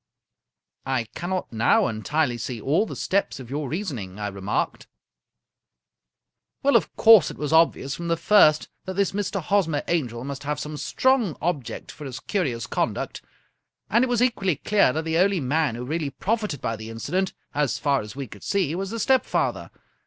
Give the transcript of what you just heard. " I cannot now entirely see all the steps of your reason ing," I remarked. " Well, of course it was obvious from the first that this Mr. Hosmer Angel must have some strong object for his curious conduct, and it was equally clear that the only man who really profited by the incident, as far as we could see, was the stepfather.